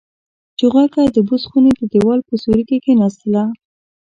چوغکه د بوس خونې د دېوال په سوري کې کېناستله.